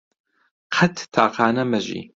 قەت تاقانە مەژی